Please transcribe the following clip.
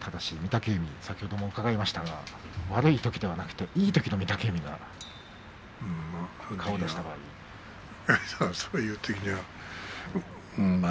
ただし御嶽海先ほども伺いましたが悪いときではなくていいときの御嶽海ならそういうときにはまあね。